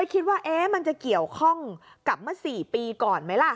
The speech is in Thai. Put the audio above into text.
กลับมา๔ปีก่อนไหมล่ะ